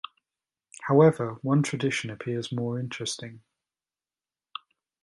However, one tradition appears more interesting.